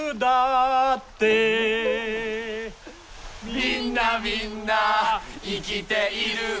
「みんなみんな生きているんだ」